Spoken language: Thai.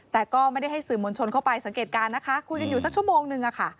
แต่ก็ไม่ได้ให้สื่อมวลชนเข้าไปสังเกตการณ์นะคะคุยกันอยู่สักชั่วโมงนึงอะค่ะ